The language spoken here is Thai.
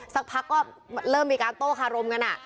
สักพักก็เริ่มมีการโต้คารมกัน